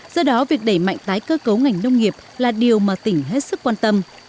do đó việc đẩy mạnh tái cơ cấu ngành nông nghiệp là điều mà tỉnh hết sức quan tâm